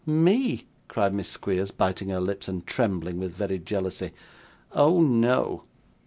'Me!' cried Miss Squeers, biting her lips, and trembling with very jealousy. 'Oh no!